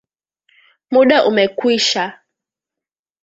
Muda ume kwisha